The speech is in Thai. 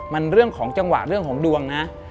มันเรื่องของจังหวะเรื่องของดวงนะ